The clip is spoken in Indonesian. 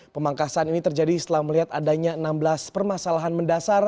pemangkasan ini terjadi setelah melihat adanya enam belas permasalahan mendasar